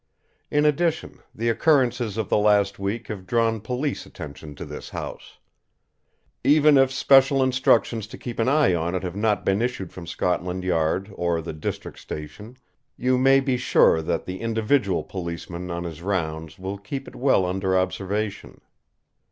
In addition, the occurrences of the last week have drawn police attention to this house. Even if special instructions to keep an eye on it have not been issued from Scotland Yard or the District Station, you may be sure that the individual policeman on his rounds will keep it well under observation.